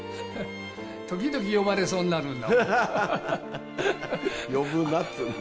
時々呼ばれそうになるんだもん。